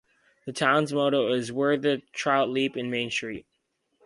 The town's motto is, Where The Trout Leap In Main Street.